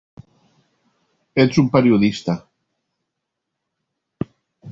Ets un periodista.